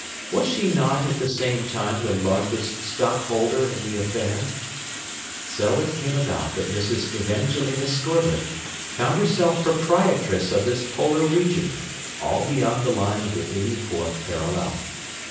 Was she not at the same time the largest stockholder in the affair? So it came about that Mrs. Evangelina Scorbitt found herself proprietress of this polar region, all beyond the line of the eighty fourth parallel.